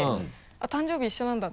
誕生日一緒なんだ